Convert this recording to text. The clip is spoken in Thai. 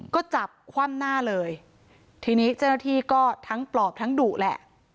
ก็จับคว่ำหน้าเลยทีนี้เจ้าหน้าที่ก็ทั้งปลอบทั้งดุแหละ